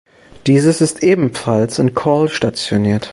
Dieses ist ebenfalls im Calw stationiert.